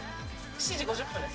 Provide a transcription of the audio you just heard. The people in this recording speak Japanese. ７時５０分です。